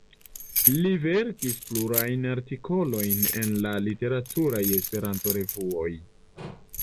Li verkis plurajn artikolojn en la literaturaj esperanto-revuoj.